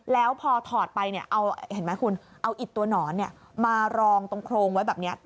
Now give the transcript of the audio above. แล้วพอถอดไปเนี่ยเอาเห็นไหมคุณเอาอิดตัวหนอนมารองตรงโครงไว้แบบนี้